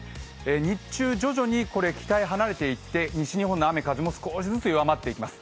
日中、徐々に北へ離れていって西日本の雨、風も少しずつ弱まってきます。